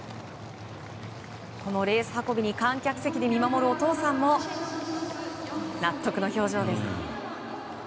このレース運びに観客席で見守るお父さんも納得の表情です。